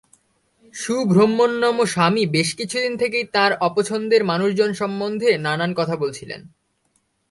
সুব্রহ্মণ্যম স্বামী বেশ কিছুদিন থেকেই তাঁর অপছন্দের মানুষজন সম্বন্ধে নানান কথা বলছিলেন।